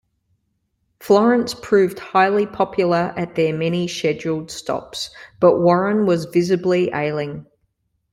Florence proved highly popular at their many scheduled stops, but Warren was visibly ailing.